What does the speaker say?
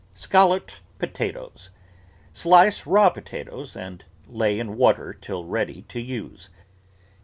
SCALLOPED POTATOES Slice raw potatoes and lay in water till ready to use.